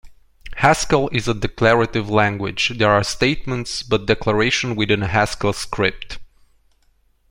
Haskell is a declarative language, there are statements, but declarations within a Haskell script.